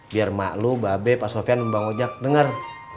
biar mak lo mbak be pak sofyan mbak ojak denger